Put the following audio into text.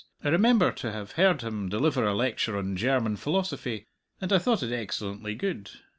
I remember to have heard him deliver a lecture on German philosophy, and I thought it excellently good.